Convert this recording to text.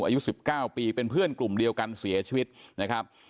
อายุ๑๙ปีเป็นเพื่อนกลุ่มเดียวกันเสียชีวิตนะครับ